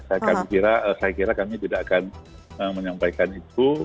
saya kira kami tidak akan menyampaikan itu